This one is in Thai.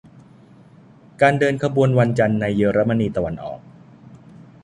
การเดินขบวนวันจันทร์ในเยอรมนีตะวันออก